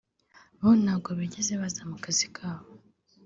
bo ntabwo bigeze baza mu kazikabo